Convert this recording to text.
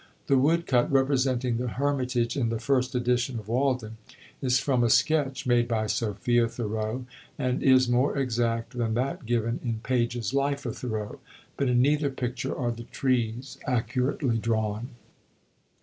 The wood cut representing the hermitage in the first edition of "Walden," is from a sketch made by Sophia Thoreau, and is more exact than that given in Page's "Life of Thoreau," but in neither picture are the trees accurately drawn.